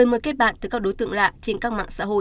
lời mời kết bạn từ các đối tượng lạ trên các mạng xã hội